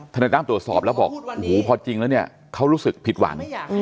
นายตั้มตรวจสอบแล้วบอกโอ้โหพอจริงแล้วเนี่ยเขารู้สึกผิดหวัง